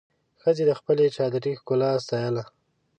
ښځې د خپلې چادري ښکلا ستایله.